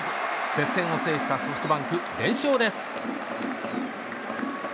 接戦を制したソフトバンク連勝です。